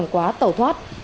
quá tẩu thoát